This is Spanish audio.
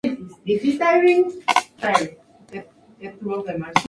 Fue el menor de los diez hijos de Giambattista.